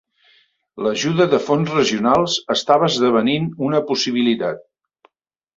L'ajuda de fonts regionals estava esdevenint una possibilitat.